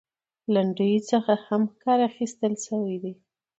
لنډيو څخه هم کار اخيستل شوى دى .